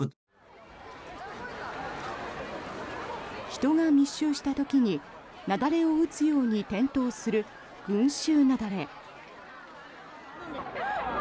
人が密集した時に雪崩を打つように転倒する群集雪崩。